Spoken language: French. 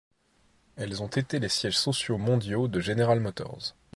Elles ont été les sièges sociaux mondiaux de General Motors.